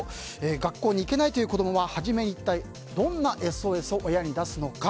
学校にいけない子供は初めにどんなＳＯＳを親に出すのか。